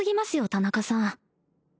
田中さん